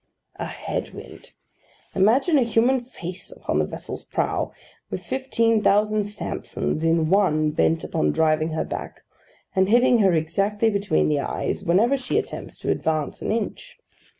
A head wind! Imagine a human face upon the vessel's prow, with fifteen thousand Samsons in one bent upon driving her back, and hitting her exactly between the eyes whenever she attempts to advance an inch.